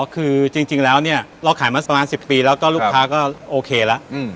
คือจริงแล้วเนี่ยเราขายมาประมาณ๑๐ปีแล้วก็ลูกค้าก็โอเคแล้ว